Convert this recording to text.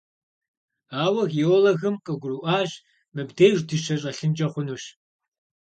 Ауэ геологым къыгурыӀуащ: мыбдеж дыщэ щӀэлъынкӀэ хъунущ.